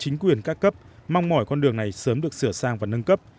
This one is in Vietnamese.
chỉ đến chính quyền các cấp mong mỏi con đường này sớm được sửa sang và nâng cấp